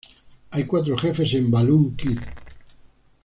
Hay cuatro jefes en "Balloon Kid".